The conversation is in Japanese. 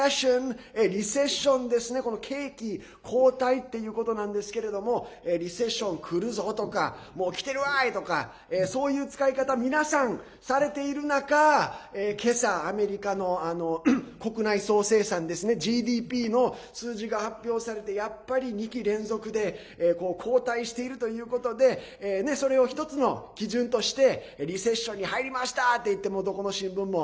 リセッションですね、景気後退っていうことなんですけれどもリセッションくるぞ！とかもうきてるわい！とかそういう使い方皆さん、されている中けさ、アメリカの国内総生産ですねＧＤＰの数字が発表されてやっぱり２期連続で後退しているということでそれを一つの基準としてリセッションに入りましたっていって、どこの新聞も。